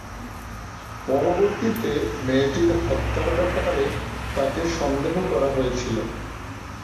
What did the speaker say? পরবর্তীতে মেয়েটির হত্যার ব্যাপারে তাকে সন্দেহ করা হয়েছিল।